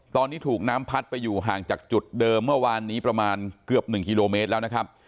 ตอนนี้ถูกน้ำพัดไปอยู่ห่างจากจุดเดิมเมื่อวานนี้ประมาณเกือบ๑กิโลเมตรแล้วนะครับ